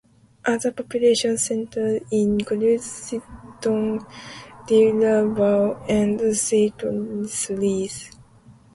Other population centres include Seaton Delaval, and Seaton Sluice.